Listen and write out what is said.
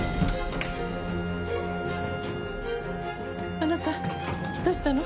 あなたどうしたの？